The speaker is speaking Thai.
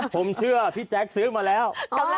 ผมเชื่อพี่แจ๊คซื้อมาแล้ว